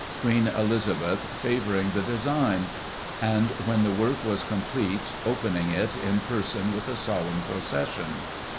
Queen Elizabeth favouring the design ; and, when the work was complete, opening it in person with a solemn procession.